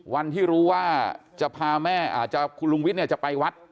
วันที่รู้ว่าจะพาแม่อาจจะคุณลุงวิทย์จะไปวัด